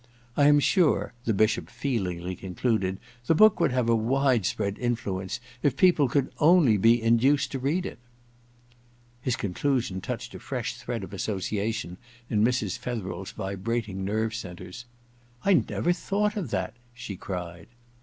I am sure,' the Bishop feelingly concluded, *the book would have a wide spr^d influence if people could only be induced to read it !* His conclusion touched a fresh thread of association in Mrs. Fetherel's vibrating nerve centres. * I never thought of that !* she cried.